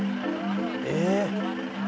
え！